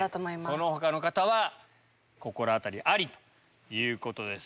その他の方はお心当たりありということです。